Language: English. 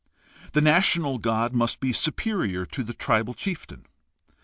The national god must be superior to the tribal chieftain.